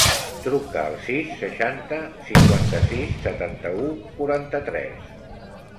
Truca al sis, seixanta, cinquanta-sis, setanta-u, quaranta-tres.